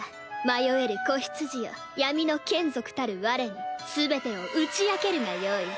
迷える子羊よ闇の眷属たる我に全てを打ち明けるがよい。